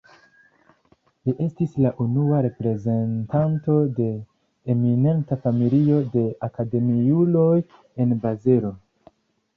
Li estis la unua reprezentanto de eminenta familio de akademiuloj en Bazelo.